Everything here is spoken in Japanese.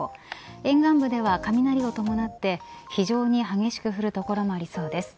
沿岸部では雷を伴って非常に激しく降る所もありそうです。